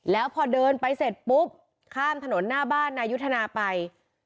แล้วพอเดินไปเสร็จปุ๊บข้ามถนนหน้าบ้านนายุทธนาไป